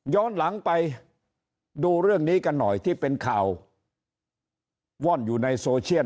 ย้อนหลังไปดูเรื่องนี้ที่เป็นข่าวที่ว่อนอยู่ในโซเชียน